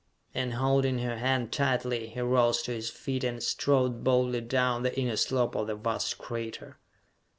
And, holding her hand tightly, he rose to his feet and strode boldly down the inner slope of the vast crater.